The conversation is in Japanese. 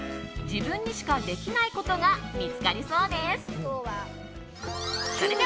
自分にしかできないことが見つかりそうです。